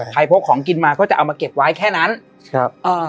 พกของกินมาก็จะเอามาเก็บไว้แค่นั้นครับเอ่อ